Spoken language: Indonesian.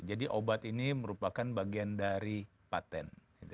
jadi obat ini merupakan bagian dari patent